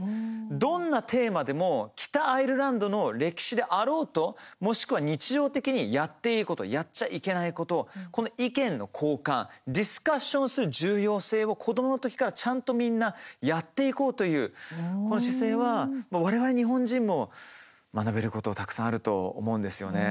どんなテーマでも北アイルランドの歴史であろうともしくは日常的にやっていいことやっちゃいけないことこの意見の交換ディスカッションする重要性を子どもの時からちゃんとみんなやっていこうという、この姿勢はわれわれ日本人も学べることたくさんあると思うんですよね。